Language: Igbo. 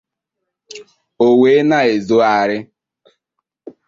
o wee na-ezogharị